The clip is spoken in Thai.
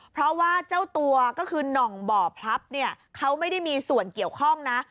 เพราะว่าเจ้าตัวก็คือหน่องบ่อพลับเนี่ยเขาไม่ได้มีส่วนเกี่ยวข้องนะ